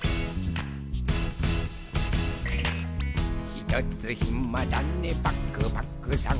「ひとつひまだねパクパクさん」